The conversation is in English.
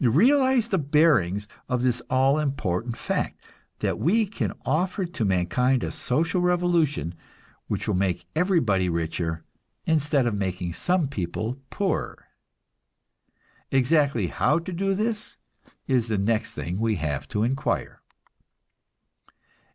Realize the bearings of this all important fact, that we can offer to mankind a social revolution which will make everybody richer, instead of making some people poorer! Exactly how to do this is the next thing we have to inquire.